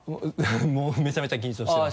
もうめちゃめちゃ緊張してます。